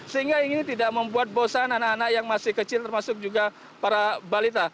sehingga ini tidak membuat bosan anak anak yang masih kecil termasuk juga para balita